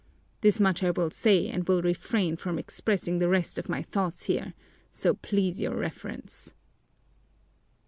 This much I will say and will refrain from expressing the rest of my thoughts here, so please your Reverence."